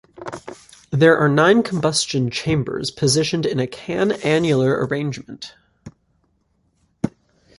There are nine combustion chambers positioned in a can-annular arrangement.